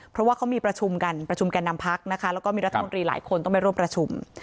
เพราะว่าเขามีประชุมกันประชุมแก่นำพักนะคะแล้วก็มีรัฐมนตรีหลายคนต้องไปร่วมประชุม